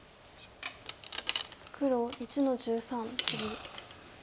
黒１の十三ツギ。